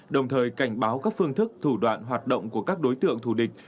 đồng thời cảnh báo các phương thức thủ đoạn hoạt động của các đối tượng thù địch